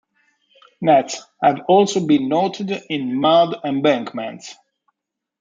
Nests have also been noted in mud embankments.